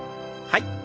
はい。